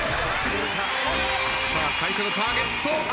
最初のターゲット。